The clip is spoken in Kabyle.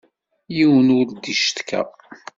Yiwen ur d-icetka.